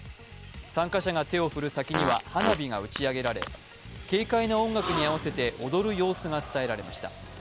参加者が手を振る先には花火が打ち上げられ軽快な音楽に合わせて踊る様子が伝えられました。